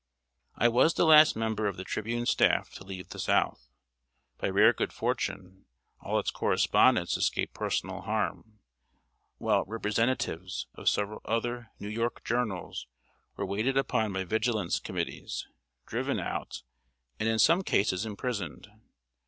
] I was the last member of The Tribune staff to leave the South. By rare good fortune, all its correspondents escaped personal harm, while representatives of several other New York journals were waited upon by vigilance committees, driven out, and in some cases imprisoned.